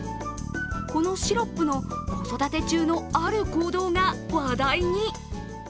このシロップの子育て中のある行動が話題に！